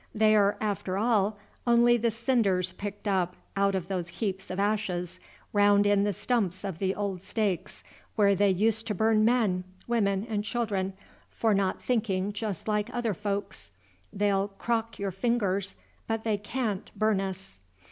They're, after all, only the cinders picked up out of those heaps of ashes round the stumps of the old stakes where they used to burn men, women, and children for not thinking just like other folks. They 'll 'crock' your fingers, but they can't burn us.